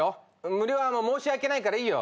無料申し訳ないからいいよ。